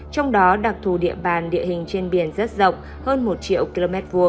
trong đó đặc thù địa bàn địa hình trên biển rất rộng hơn một triệu km hai